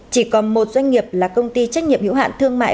chỉ còn một doanh nghiệp là công ty trách nhiệm hữu hạn thương mại